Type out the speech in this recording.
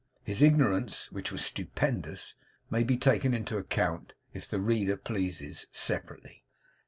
His ignorance, which was stupendous, may be taken into account, if the reader pleases, separately.